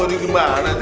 aduh ini enak banget